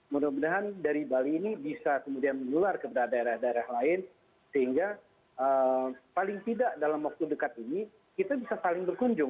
mudah mudahan dari bali ini bisa kemudian menular kepada daerah daerah lain sehingga paling tidak dalam waktu dekat ini kita bisa saling berkunjung